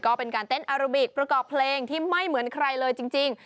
ก็เป็นการเต้นอาราบิกประกอบเพลงที่ไม่เหมือนใครเลยจริง